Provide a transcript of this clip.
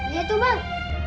dia tuh bang